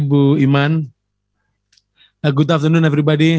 assalamu alaikum warahmatullahi wabarakatuh